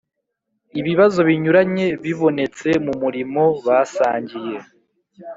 ibibazo binyuranye bibonetse mu murimo basangiye